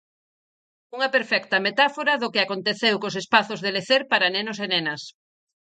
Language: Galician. Unha perfecta metáfora do que aconteceu cos espazos de lecer para nenos e nenas.